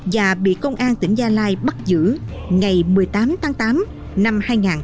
và bị công an tỉnh gia lai bắt giữ ngày một mươi tám tháng tám năm hai nghìn một mươi ba